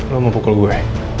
lo mau pukul gue